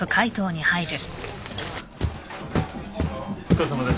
お疲れさまです。